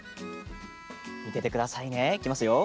見ててくださいね、いきますよ。